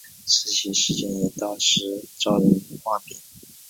这起事件也在当时招人话柄。